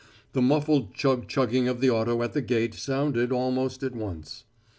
The muffled chug chugging of the auto at the gate sounded almost at once.